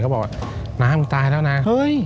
บอกว่าน้ามึงตายแล้วนะเฮ้ย